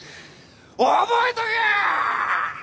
覚えとけよ！！